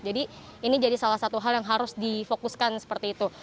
jadi ini jadi salah satu hal yang harus difokuskan seperti itu